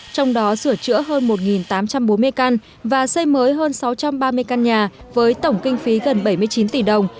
trong đó sửa chữa hơn một tám trăm bốn mươi căn và xây mới hơn sáu trăm ba mươi căn nhà với tổng kinh phí gần bảy mươi chín tỷ đồng